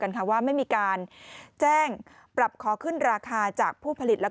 ว่าไม่มีการแจ้งปรับขอขึ้นราคาจากผู้ผลิตและ